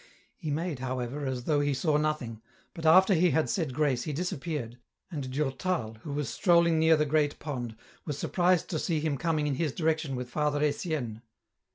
He made, however, as though he saw nothing, but after he had said grace he disappeared, and Durtal, who was strolling near the great pond, was surprised to see him coming in his direction with Father Etienne.